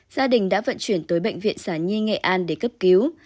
gia đình đã vận chuyển tới bệnh viện sản nhi nghệ an để cấp cứu